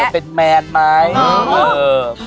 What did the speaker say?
เป็นแมนไหม